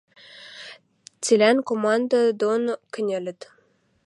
Цилӓн команда дон кӹньӹлӹт.